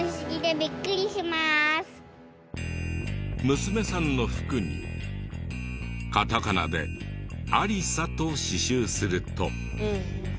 娘さんの服にカタカナで「アリサ」と刺繍すると。